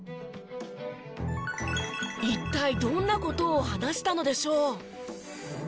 一体どんな事を話したのでしょう？